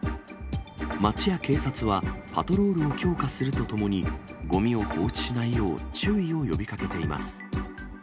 町や警察はパトロールを強化するとともに、ごみを放置しないよう注意を呼びかけています。